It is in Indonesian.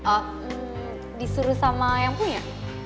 oh disuruh sama yang punya